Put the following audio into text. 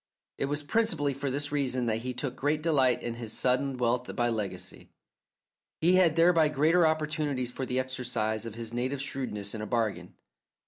It was principally for this reason that he took great delight in his sudden wealth by legacy. He had thereby greater opportunities for the exercise of his native shrewdness in a bargain.